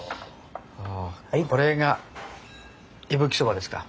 おおこれが伊吹そばですか。